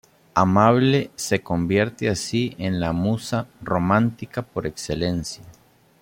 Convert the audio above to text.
Amable se convierte así en la musa romántica por excelencia.